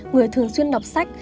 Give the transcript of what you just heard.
người thường xuyên đọc sách